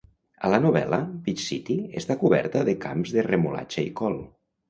A la novel·la, Beach City està coberta de camps de remolatxa i col.